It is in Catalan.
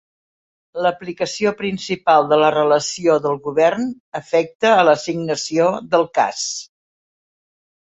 L'aplicació principal de la relació del govern afecta a l'assignació del cas.